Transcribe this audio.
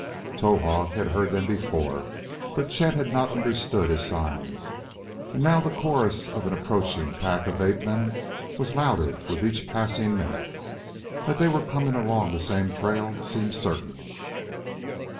Towahg had heard them before, but Chet had not understood his signs. And now the chorus of an approaching pack of ape men was louder with each passing minute. That they were coming along the same trail seemed certain.